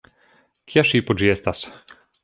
Kia ŝipo ĝi estas?